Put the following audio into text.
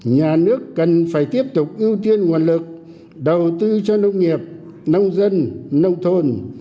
nhà nước cần phải tiếp tục ưu tiên nguồn lực đầu tư cho nông nghiệp nông dân nông thôn